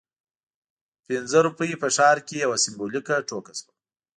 پنځه روپۍ په ښار کې یوه سمبولیکه ټوکه شوه.